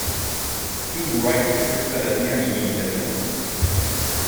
Kim Wright Euskal Herrian ibili berri da.